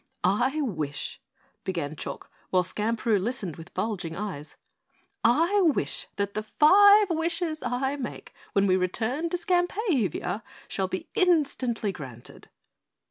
"I wish," began Chalk, while Skamperoo listened with bulging eyes, "I wish that the five wishes I make when we return to Skampavia shall be instantly granted."